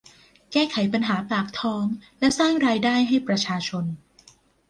แก้ไขปัญหาปากท้องและสร้างรายได้ให้ประชาชน